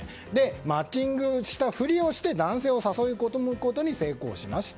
マッチングしたふりをして男性を誘い込むことに成功しました。